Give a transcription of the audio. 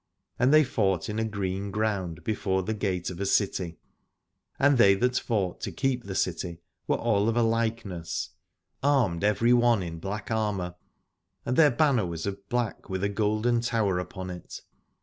And they fought in a green ground before the gate of a city: and they that fought to keep the city were all of a likeness, armed every one in black armour, and their banner was of black with a golden tower upon it.